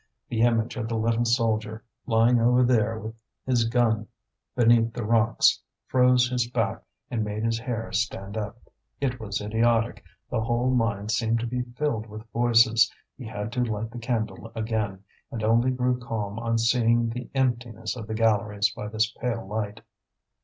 The image of the little soldier, lying over there with his gun beneath the rocks, froze his back and made his hair stand up. It was idiotic, the whole mine seemed to be filled with voices; he had to light the candle again, and only grew calm on seeing the emptiness of the galleries by this pale light.